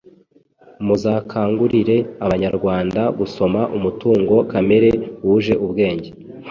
Muzakangurire abanyarwanda gusoma umutungo kamere wuje ubwenge